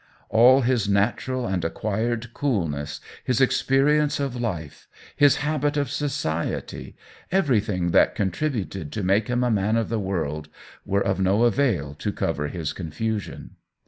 All his natural and acquired coolness, his ex perience of life, his habit of society, every thing that contributed to make him a man of the world, were of no avail to cover his confusion.